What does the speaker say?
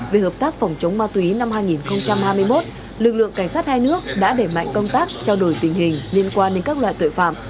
về hợp tác phòng chống ma túy năm hai nghìn hai mươi một lực lượng cảnh sát hai nước đã để mạnh công tác trao đổi tình hình liên quan đến các loại tội phạm